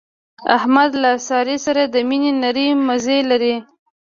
احمد له سارې سره د مینې نری مزی لري.